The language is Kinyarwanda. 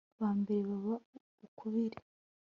ba mbere baba ukubiri